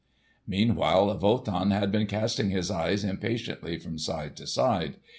Meanwhile Wotan had been casting his eyes impatiently from side to side.